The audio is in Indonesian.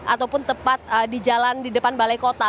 ataupun tepat di jalan di depan balai kota